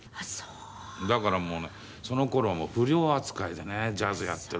だからもうねその頃は不良扱いでねジャズやってると。